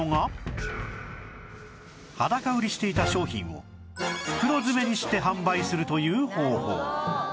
裸売りしていた商品を袋詰めにして販売するという方法